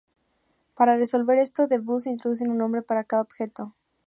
Para resolver esto, D-Bus introduce un nombre para cada objeto.